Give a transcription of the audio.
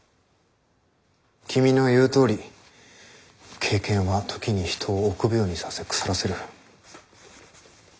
君の言うとおり経験は時に人を臆病にさせ腐らせる。